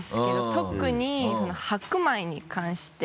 特に白米に関して。